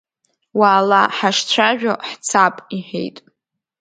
Уаала, ҳашцәажәо ҳцап, — иҳәеит.